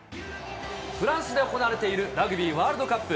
フランスで行われているラグビーワールドカップ。